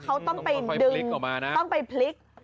เขาต้องไปดึงต้องไปพลิก